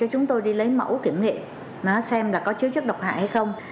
chúng tôi đi lấy mẫu kiểm nghiệm xem là có chứa chất độc hại hay không